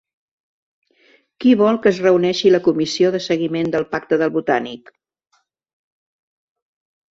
Qui vol que es reuneixi la comissió de seguiment del pacte del Botànic?